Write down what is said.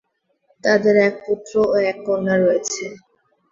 তাদের এক পুত্র ও এক কন্যা রয়েছে।